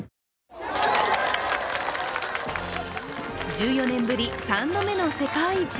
１４年ぶり３度目の世界一。